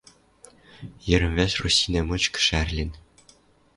Йӹрӹм-вӓш Российнӓ мычкы шӓрлен